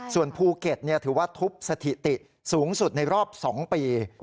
ส่วนภูเก็ตถือว่าทุบสถิติสูงสุดในรอบ๒ปี